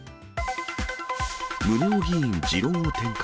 宗男議員、持論を展開。